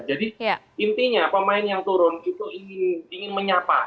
jadi intinya pemain yang turun itu ingin menyapa